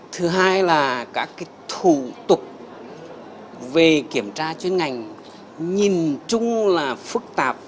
thứ hai là các cái thủ tục về kiểm tra chuyên ngành nhìn chung là phức tạp